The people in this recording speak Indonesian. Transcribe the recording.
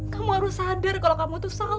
kamu harus sadar kalau kamu tuh soal